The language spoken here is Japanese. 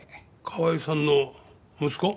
河合さんの息子？